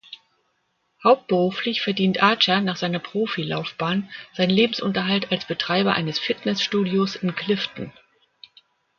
Hauptberuflich verdient Archer nach seiner Profilaufbahn seinen Lebensunterhalt als Betreiber eines Fitnessstudios in Clifton.